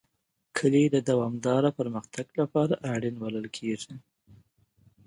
کلي د دوامداره پرمختګ لپاره اړین بلل کېږي.